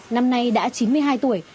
năm nay đã chín mươi hai tuổi